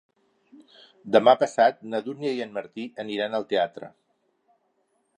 Demà passat na Dúnia i en Martí aniran al teatre.